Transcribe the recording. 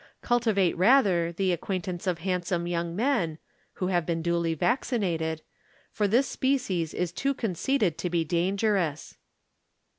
Cultivate rather the acquaintance of handsome young men (who have been duly vaccinated), for this species is too conceited to be dangerous.